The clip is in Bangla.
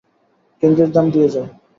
ক্যান্ডির দাম দিয়ে যাও।